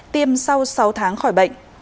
tiêm sau sáu tháng khỏi bệnh